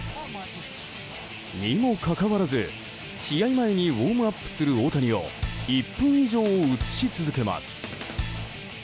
にもかかわらず、試合前にウォームアップする大谷を１分以上、映し続けます。